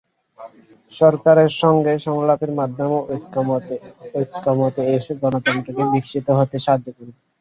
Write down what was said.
সরকারের সঙ্গে সংলাপের মাধ্যমে ঐকমত্যে এসে গণতন্ত্রকে বিকশিত হতে সাহায্য করুন।